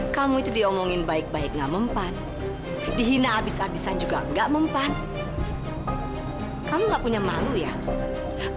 kamu ini perempuan macam apa sih